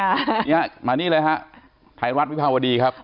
อย่างนี้มานี่เลยฮะไทรวัฒน์วิภาวดีครับ